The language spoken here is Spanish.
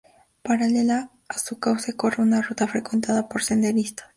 Paralela a su cauce corre una ruta frecuentada por senderistas.